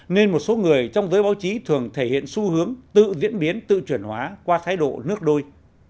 nên một số người trong giới báo chí thường thể hiện xu hướng tự diễn biến tự chuyển hóa qua thái độ nước đôi